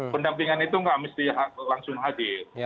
pendampingan itu nggak mesti langsung hadir